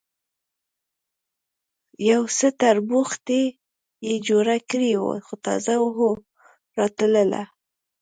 یو څه تربوختي یې جوړه کړې وه، خو تازه هوا راتلله.